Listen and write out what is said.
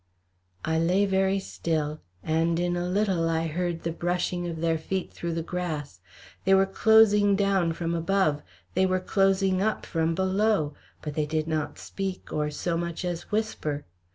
I lay very still, and in a little I heard the brushing of their feet through the grass. They were closing down from above, they were closing up from below; but they did not speak or so much as whisper.